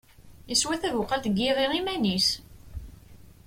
Yeswa tabuqalt n yiɣi iman-is.